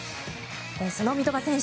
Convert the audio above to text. その三笘選手